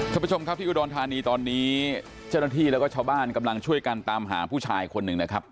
ท่านผู้ชมครับที่อุดรธานีตอนนี้เจ้าหน้าที่แล้วก็ชาวบ้านกำลังช่วยกันตามหาผู้ชายคนหนึ่งนะครับ